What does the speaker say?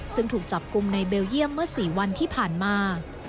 ซึ่งถูกจับกลุ่มในเบลเยี่ยมเมื่อ๔วันที่ผ่านมา